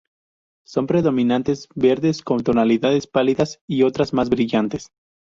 Son predominantemente verdes con tonalidades pálidas y otras más brillantes.